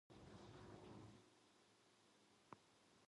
악한 눈이 있는 자의 음식을 먹지 말며 그 진찬을 탐하지 말지어다